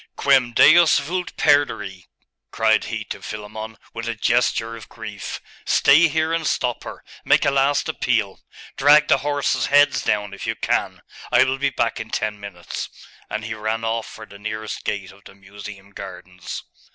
'Quem Deus vult perdere !' cried he to Philammon, with a gesture of grief. 'Stay here and stop her! make a last appeal! Drag the horses' heads down, if you can! I will be back in ten minutes.' And he ran off for the nearest gate of the Museum gardens.